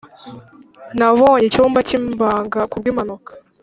nabonye icyumba cyibanga kubwimpanuka.